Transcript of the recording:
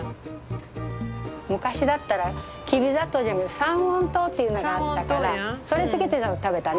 昔だったらきび砂糖じゃなく三温糖っていうのがあったからそれ付けて食べたね。